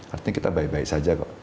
artinya kita baik baik saja kok